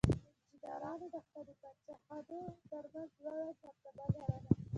انجینرانو د خپلو پادشاهانو ترڅنګ لوړه مرتبه لرله.